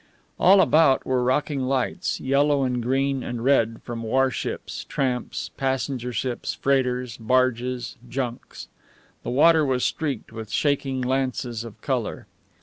All about were rocking lights, yellow and green and red, from warships, tramps, passenger ships, freighters, barges, junks. The water was streaked with shaking lances of colour.